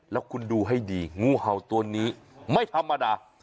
แล้วคุณดูให้ดีงูเห่าตัวนี้ไม่ธรรมดา